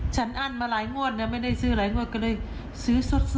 อั้นมาหลายงวดนะไม่ได้ซื้อหลายงวดก็เลยซื้อสด